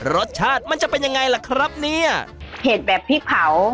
รสชาติมันจะเป็นยังไงล่ะครับเนี่ยเห็ดแบบพริกเผา